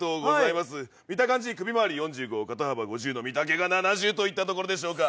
見た感じ首回り４５身丈が７０といったところでしょうか。